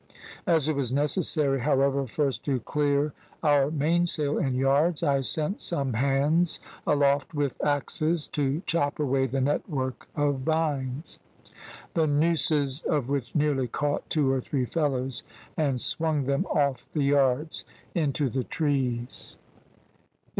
As it was necessary, however, first to clear our mainsail and yards, I sent some hands aloft with axes to chop away the network of vines, the nooses of which nearly caught two or three fellows and swung them off the yards into the trees.